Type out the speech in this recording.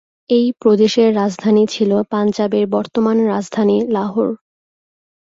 এই প্রদেশের রাজধানী ছিল পাঞ্জাবের বর্তমান রাজধানী লাহোর।